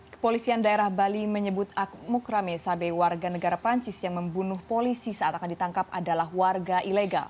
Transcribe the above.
kepolisian daerah bali menyebut akmuk rame sabe warga negara perancis yang membunuh polisi saat akan ditangkap adalah warga ilegal